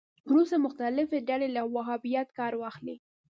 وروسته مختلفې ډلې له وهابیت کار واخلي